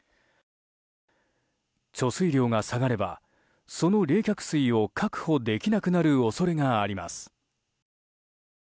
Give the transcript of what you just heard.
貯水量が下がればその冷却水を確保できなくなる恐れがあります。